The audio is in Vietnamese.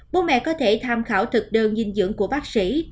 bố mẹ có thể tham khảo thực đơn dinh dưỡng của bác sĩ